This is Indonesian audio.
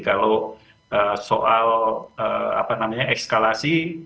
kalau soal apa namanya ekskalasi